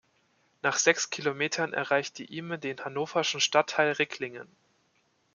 Nach sechs Kilometern erreicht die Ihme den hannoverschen Stadtteil Ricklingen.